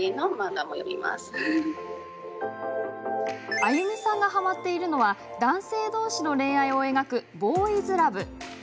アユミさんがはまっているのは男性どうしの恋愛を描くボーイズラブ。